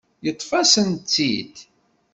Yeṭṭef-asen-tt-id.